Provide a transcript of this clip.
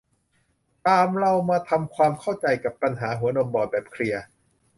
ตามเรามาทำความเข้าใจกับปัญหาหัวนมบอดแบบเคลียร์